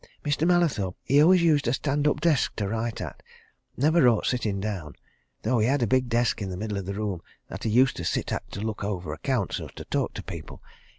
Mr. Mallathorpe, he always used a stand up desk to write at never wrote sitting down, though he had a big desk in the middle of the room that he used to sit at to look over accounts or talk to people.